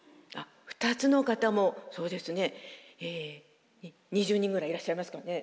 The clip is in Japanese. ２つの方もそうですね２０人ぐらいいらっしゃいますかね。